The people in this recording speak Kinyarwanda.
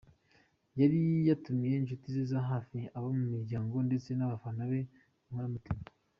Yari yatumiye inshuti za hafi, abo mu miryango ndetse n’abafana be b’inkoramutima.